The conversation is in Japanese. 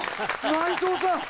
内藤さん！